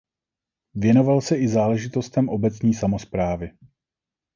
Věnoval se i záležitostem obecní samosprávy.